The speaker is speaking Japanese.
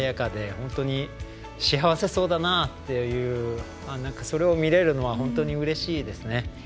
本当に幸せそうだなというそれを見られるのは本当にうれしいですね。